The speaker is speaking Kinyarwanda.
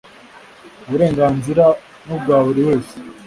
uburenganzira n’ ubwaburiwese.